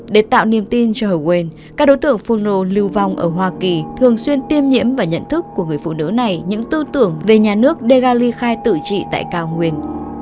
để tạo niềm tin cho hờ quên các đối tượng phun nô lưu vong ở hoa kỳ thường xuyên tiêm nhiễm và nhận thức của người phụ nữ này những tư tưởng về nhà nước degali khai tử trị tại cao nguyên